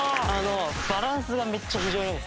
バランスがめっちゃ非常にいいです。